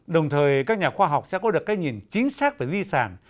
đồng thời các nhà khoa học sẽ có được cái nhìn chính xác về di sản